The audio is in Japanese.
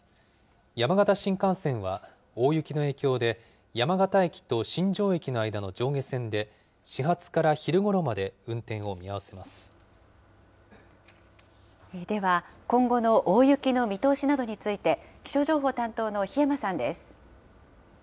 山形新幹線は大雪の影響で、山形駅と新庄駅の間の上下線で始発から昼ごろまで運転を見合わせでは、今後の大雪の見通しなどについて、気象情報担当の檜山さんです。